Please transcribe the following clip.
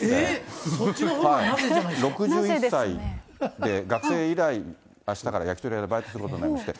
そっちのほうがなぜじゃ６１歳で学生以来、あしたから焼き鳥屋でバイトすることになりまして。